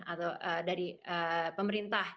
atau dari pemerintah